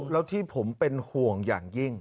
แล้วที่ผมเป็นห่วงอย่างยิ่ง